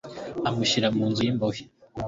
amushyira mu nzu y imbohe